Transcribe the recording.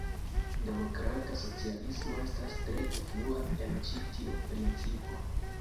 Demokrata socialismo estas tre influa en ĉi tiu principo.